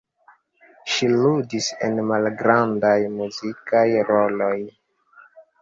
Ŝi ludis en malgrandaj muzikaj roloj.